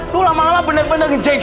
lo lama lama bener bener genceng